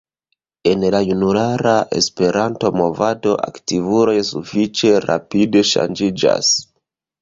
En la junulara Esperanto-movado aktivuloj sufiĉe rapide ŝanĝiĝas.